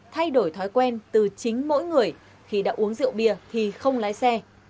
thay đổi thói quen từ chính mỗi người khi đã uống rượu bia thì không lái xe